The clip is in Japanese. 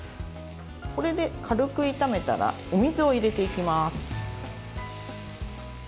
これで軽く炒めたらお水を入れていきます。